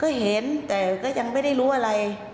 ก็เห็นแต่ก็ยังไม่ได้รู้อะไร